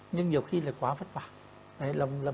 nhưng nhiều khi là quá vất vả